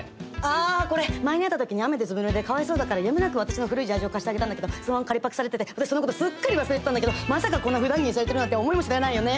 あこれ前に会った時に雨でずぶぬれでかわいそうだからやむなく私の古いジャージを貸してあげたんだけどそのまま借りパクされてて私そのことすっかり忘れてたんだけどまさかこんなふだん着にされてるなんて思いもしないよね。